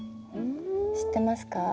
知ってますか？